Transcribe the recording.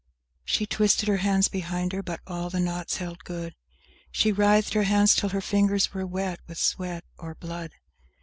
IV She twisted her hands behind her; but all the knots held good! She writhed her hands till her fingers were wet with sweat or blood!